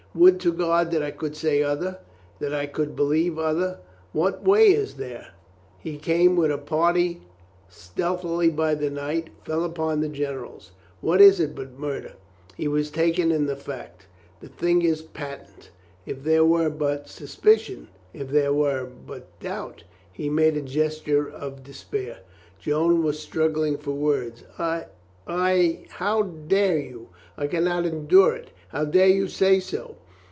"Would to God that I could say other — that I could believe other ! What way is there? He came with a party stealthily by night, fell upon the gen erals. What is it but murder? He was taken in the fact. The thing is patent li there were but sus picion— if there were but doubt —" he made a ges ture of despair. Joan was struggling for words. "I — I — how dare you? I can not endure it! How dare you say so?